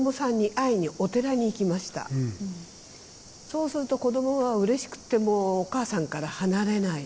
そうすると子どもがうれしくってもうお母さんから離れない。